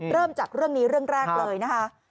เริ่มจากเรื่องนี้เรื่องแรกเลยนะคะ